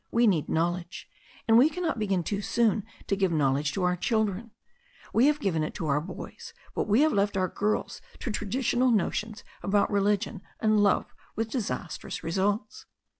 We need knowledge. And we cannot begin too soon to give knowledge to our children. We have given it to our boys, but we have left our girls to traditional notions about re ligion and love with disastrous results."